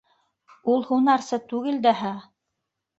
Ул һунарсы түгел дәһә!